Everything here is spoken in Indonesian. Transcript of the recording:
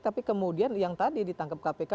tapi kemudian yang tadi ditangkap kpk